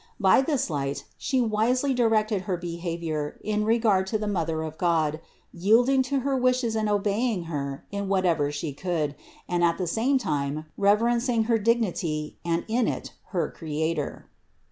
By this light she wisely directed her behavior in regard to the Mother of God, yielding to her wishes and obeying Her in whatever she could, and at the same time reverencing her dignity, and in it, her Creator.